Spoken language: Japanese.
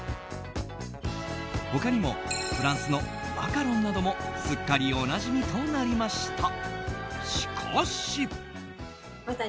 他にもフランスのマカロンなどもすっかりおなじみとなりました。